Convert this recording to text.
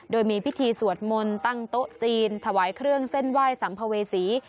โดยมีพิธีสวดมนต์ตั้งโต๊ะจีนถวายเครื่องเส้นไหว้สัมภเวษี